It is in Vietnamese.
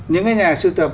những cái nhà sưu tập